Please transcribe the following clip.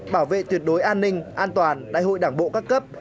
bảo vệ tuyệt đối an ninh an toàn đại hội đảng bộ các cấp